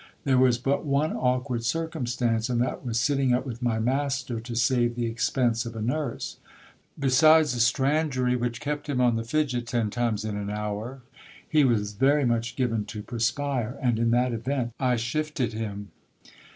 There was but one awkward circumstance ; and that was sitting up with my master, to save the expense of a nurse. Be sides a strangury, which kept him on the fidget ten times in an hour, he was very much given to perspire ; and in that event, I shifted him.